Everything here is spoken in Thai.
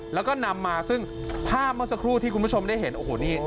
แล้วก็นำมาซึ่งภาพเมื่อสักครู่ที่คุณผู้ชมได้เห็นโอ้โหนี่